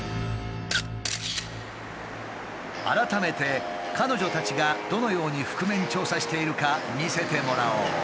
改めて彼女たちがどのように覆面調査しているか見せてもらおう。